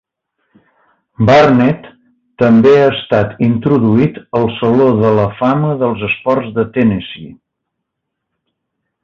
Barnett també ha estat introduït al Saló de la Fama dels Esports de Tennessee.